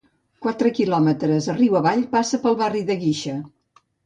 Quatre quilòmetres riu avall, passa pel barri de Guixa.